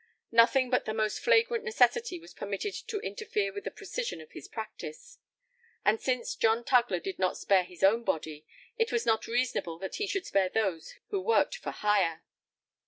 Nothing but the most flagrant necessity was permitted to interfere with the precision of his practice. And since John Tugler did not spare his own body, it was not reasonable that he should spare those who worked for hire.